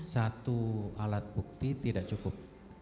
satu alat bukti tidak cukup